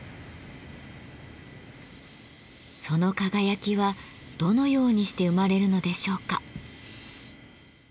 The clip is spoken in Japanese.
その輝きはどのようにして生まれるのでしょうか。